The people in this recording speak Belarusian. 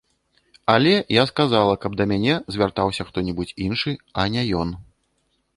Але я сказала, каб да мяне звяртаўся хто-небудзь іншы, а не ён.